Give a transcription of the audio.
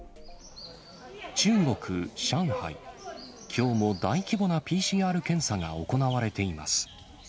きょうも大規模なＰＣＲ検査が行われています。